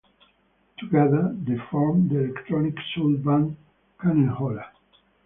Together, they formed the electronic soul band Kaneholler.